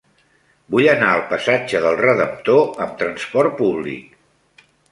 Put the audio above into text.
Vull anar al passatge del Redemptor amb trasport públic.